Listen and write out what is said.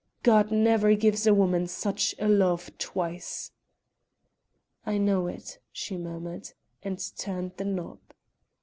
God never gives a woman such a love twice." "I know it," she murmured, and turned the knob.